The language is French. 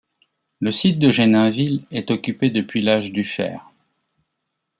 Le site de Genainville est occupé depuis l'âge du fer.